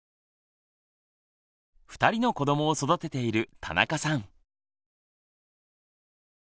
２人の子どもを育てている田中さん。